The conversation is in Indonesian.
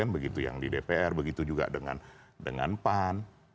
begitu yang di dpr begitu juga dengan pan